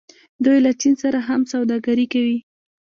دوی له چین سره هم سوداګري کوي.